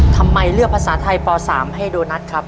ทำไมเลือกภาษาไทยป๓ให้โดนัทครับ